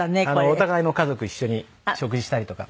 お互いの家族一緒に食事したりとか。